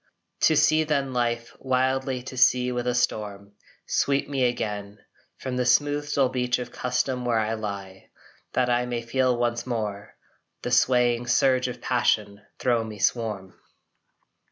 To sea then, Life, wildly to sea with a storm Sweep me again, From the smooth dull beach of custom where I lie, That I may feel once more The swaying surge of passion thro me swarm!